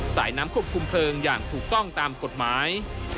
สายน้ำควบคุมเพลิงอย่างถูกต้องตามกฎหมาย